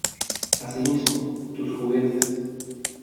Así mismo. Tus juguetes .